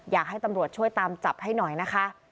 อยากให้ตำรวจช่วยตามจับให้หน่อยนะคะ